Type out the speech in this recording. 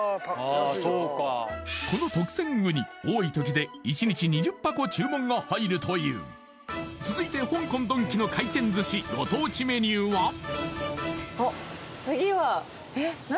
この特選ウニ多い時で１日２０箱注文が入るという続いて香港ドンキの回転寿司ご当地メニューは？